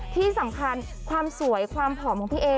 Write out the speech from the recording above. ที่สำคัญความสวยความผอมของพี่เอ